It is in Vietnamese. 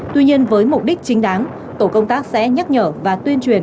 tuy nhiên với mục đích chính đáng tổ công tác sẽ nhắc nhở và tuyên truyền